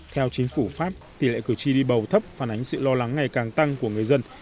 theo chính phủ pháp tỷ lệ cử tri đi bầu thấp phản ánh sự lo lắng ngày càng tăng của người dân